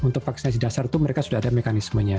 untuk vaksinasi dasar itu mereka sudah ada mekanismenya